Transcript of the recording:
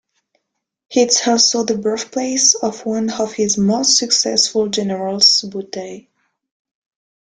It is also the birthplace of one of his most successful generals; Subutai.